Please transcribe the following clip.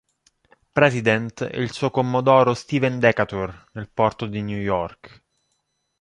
President" e il suo commodoro Stephen Decatur, nel porto di New York.